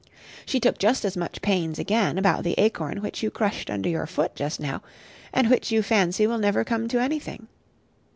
She took just as much pains, again, about the acorn which you crushed under your foot just now, and which you fancy will never come to anything.